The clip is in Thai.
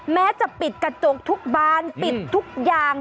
แม้จะปิดกระจกทุกบานปิดทุกอย่าง